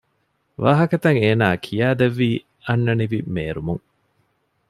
ވާހަކަތައް އޭނާ ކިޔައިދެއްވީ އަންނަނިވި މޭރުމުން